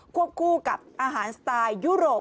วบคู่กับอาหารสไตล์ยุโรป